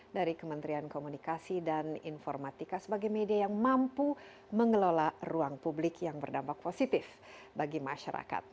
dari kementerian komunikasi dan informatika sebagai media yang mampu mengelola ruang publik yang berdampak positif bagi masyarakat